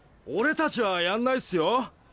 俺たちはやんないっすよ。